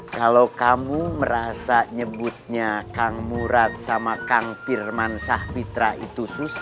kalau kamu merasa nyebutnya kang murad sama kang pirman sahmitra itu susah